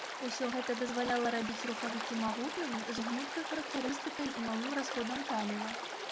Усё гэта дазваляла рабіць рухавікі магутнымі, з гнуткай характарыстыкай і малым расходам паліва.